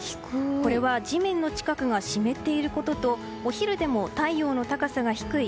これは地面の近くが湿っていることとお昼でも太陽の高さが低い